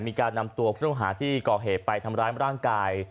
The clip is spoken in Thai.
มีการนำตัวผู้ต้องหาที่ก่อเหตุไปทำร้ายร่างกาย